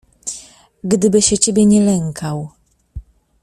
"Gdyby się ciebie nie lękał."